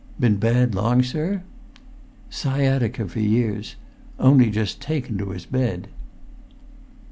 "Been bad long, sir?" "Sciatica for years; only just taken to his bed."